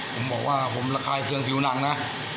ผมบอกว่าผมระคายเครื่องผิวหนังนะ